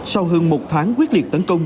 sau hơn một tháng quyết liệt tấn công